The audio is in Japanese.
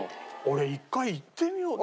俺一回行ってみよう。